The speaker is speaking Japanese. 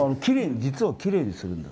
実はきれいにするんだよ。